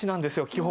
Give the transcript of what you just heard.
基本。